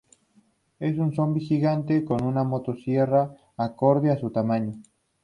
Es un zombi gigante con una motosierra acorde a su tamaño.